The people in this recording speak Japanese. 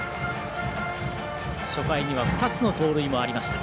初回には２つの盗塁もありました。